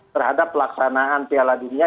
terhadap pelaksanaan piala dunia